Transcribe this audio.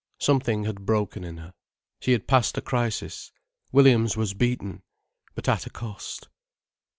Something had broken in her; she had passed a crisis. Williams was beaten, but at a cost.